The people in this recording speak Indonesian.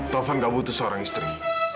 tovan gak butuh seorang istri